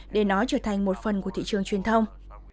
để nó trở thành một phần của thị trường truyền thông